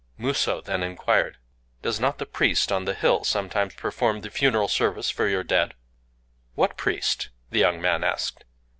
Musō then inquired:— "Does not the priest on the hill sometimes perform the funeral service for your dead?" "What priest?" the young man asked.